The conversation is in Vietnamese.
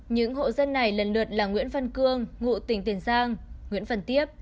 những hộ dân này lần lượt là nguyễn văn cương ngụ tỉnh tiền giang nguyễn phần tiếp